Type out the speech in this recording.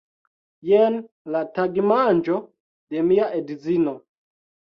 Jen la tagmanĝo de mia edzino